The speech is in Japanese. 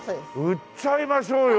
売っちゃいましょうよ！